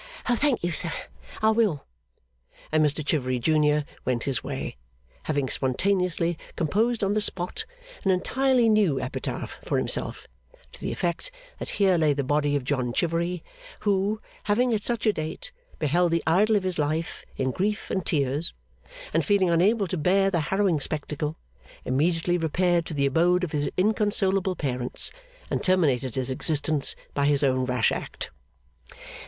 'Thank you, sir, I will.' And Mr Chivery junior went his way, having spontaneously composed on the spot an entirely new epitaph for himself, to the effect that Here lay the body of John Chivery, Who, Having at such a date, Beheld the idol of his life, In grief and tears, And feeling unable to bear the harrowing spectacle, Immediately repaired to the abode of his inconsolable parents, And terminated his existence by his own rash act.